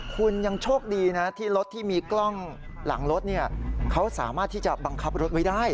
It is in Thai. คุณยังโชคดีนะที่รถที่มีกล้องหลังรถเขาสามารถที่จะบังคับรถไว้ได้